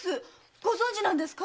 ご存じなんですか？